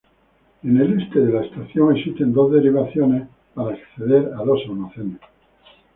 En el este de la estación existen dos derivaciones para acceder a dos almacenes.